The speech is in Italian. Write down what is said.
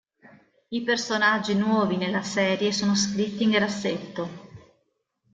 I personaggi nuovi nella serie sono scritti in grassetto.